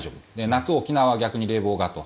夏、沖縄は逆に冷房があって。